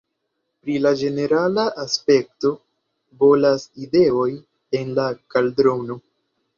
Pri la ĝenerala aspekto, bolas ideoj en la kaldrono.